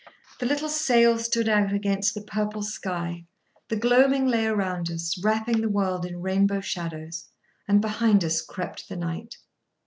The little sail stood out against the purple sky, the gloaming lay around us, wrapping the world in rainbow shadows; and, behind us, crept the night.